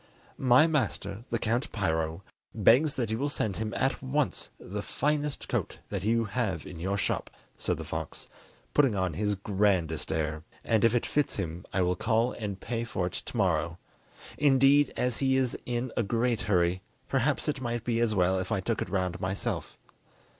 "My master, the Count Piro, begs that you will send him at once the finest coat that you have in your shop," said the fox, putting on his grandest air, "and if it fits him I will call and pay for it to morrow! Indeed, as he is in a great hurry, perhaps it might be as well if I took it round myself."